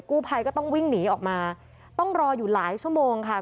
กู้ภัยก็ต้องวิ่งหนีออกมาต้องรออยู่หลายชั่วโมงค่ะ